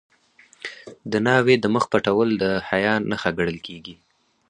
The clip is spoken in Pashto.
د ناوې د مخ پټول د حیا نښه ګڼل کیږي.